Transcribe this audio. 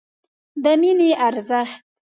د مینې ارزښت